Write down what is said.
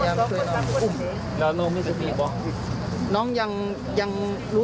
แล้วคุณครูทำยังไงต่อ